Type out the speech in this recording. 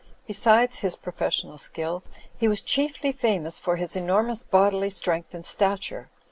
Be sides his professional skill, he was chiefly famous for his enormous bodily strength and stature.